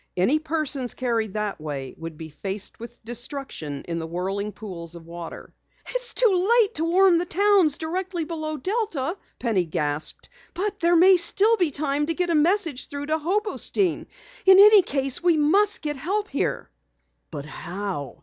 Any persons carried that way would be faced with destruction in the whirling pools of water. "It's too late to warn the towns directly below Delta!" Penny gasped. "But there still may be time to get a message through to Hobostein. In any case, we must get help here!" "But how?"